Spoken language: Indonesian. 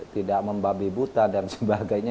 tidak membabi buta dan sebagainya